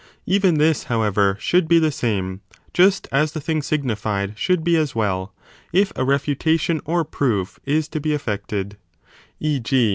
Even this, however, should be the same, just as the thing signified should be as well, if a refu tation or proof is to be effected ; e. g.